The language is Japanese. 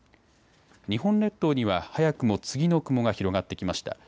日本列島には早くも次の雲が広がってきました。